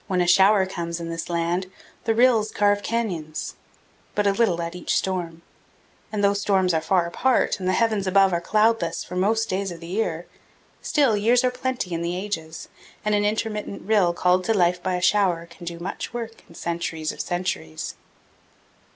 393 a shower comes in this land, the rills carve canyons but a little at each storm; and though storms are far apart and the heavens above are cloudless for most of the days of the year, still, years are plenty in the ages, and an intermittent rill called to life by a shower can do much work in centuries of centuries.